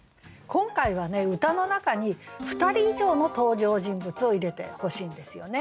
今回はね歌の中に２人以上の登場人物を入れてほしいんですよね。